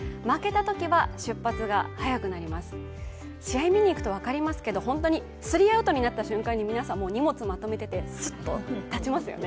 試合見に行くと分かりますけど本当に皆さんスリーアウトになった瞬間荷物まとめてすっと立ちますよね。